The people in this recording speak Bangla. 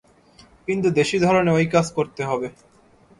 কিন্তু দেশী ধরনে ঐ কাজ করতে হবে।